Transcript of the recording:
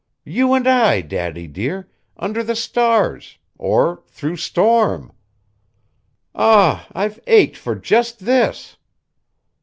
You and I, Daddy, dear, under the stars, or through storm! Ah, I've ached for just this!"